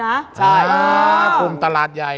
รอที่จะมาอัปเดตผลงานแล้วก็เข้าไปโด่งดังไกลถึงประเทศจีน